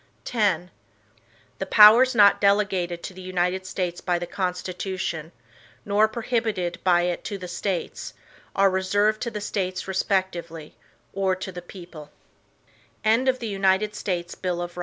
X The powers not delegated to the United States by the Constitution, nor prohibited by it to the States, are reserved to the States respectively, or to the people.